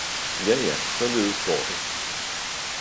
Ja, ja, således går det